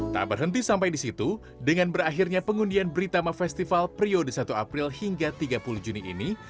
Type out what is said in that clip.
tak berhenti sampai di situ dengan berakhirnya pengundian britama festival periode satu april hingga tiga puluh juni ini